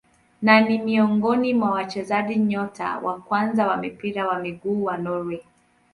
Na ni miongoni mwa wachezaji nyota wa kwanza wa mpira wa miguu wa Norway.